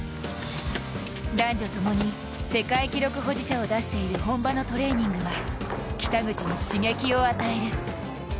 男女ともに世界記録保持者を出している本場のトレーニングは北口に刺激を与える。